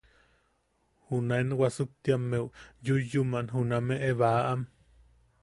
Junaen wasuktiammeu yuyyuman juname baʼam.